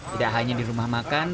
tidak hanya di rumah makan